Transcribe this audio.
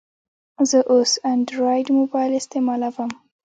زه اوس انډرایډ موبایل استعمالوم.